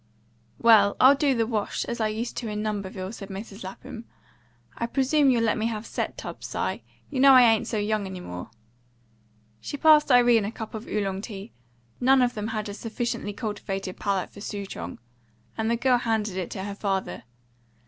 "Well, I'll do the wash, as I used to in Lumberville," said Mrs. Lapham. "I presume you'll let me have set tubs, Si. You know I ain't so young any more." She passed Irene a cup of Oolong tea, none of them had a sufficiently cultivated palate for Sou chong, and the girl handed it to her father.